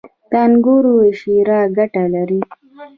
• د انګورو شیره ګټه لري.